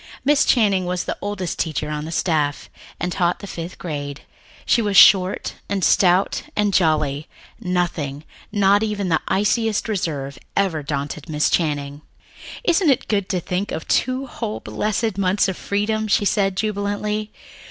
Miss Channing was the oldest teacher on the staff, and taught the fifth grade. She was short and stout and jolly; nothing, not even the iciest reserve, ever daunted Miss Channing. "Isn't it good to think of two whole blessed months of freedom?" she said jubilantly.